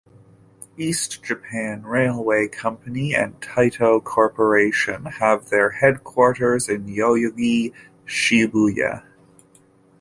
East Japan Railway Company, and Taito Corporation have their headquarters in Yoyogi, Shibuya.